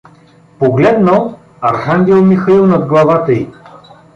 Погледнал — архангел Михаил над главата й.